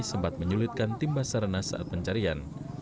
sempat menyulitkan tim basarnas saat pencarian